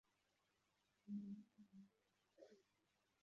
Umwana wambaye pajama yumutuku aramwenyura